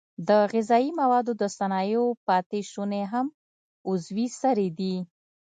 د غذایي موادو د صنایعو پاتې شونې هم عضوي سرې دي.